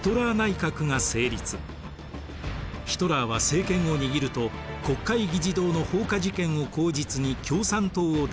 ヒトラーは政権を握ると国会議事堂の放火事件を口実に共産党を弾圧。